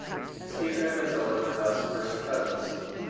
Stephen and Matilda were thus first cousins.